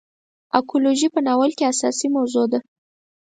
اکولوژي په ناول کې اساسي موضوع ده.